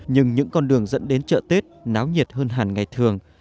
nhưng những con đường dẫn đến chợ tết náo nhiệt hơn hẳn ngày thường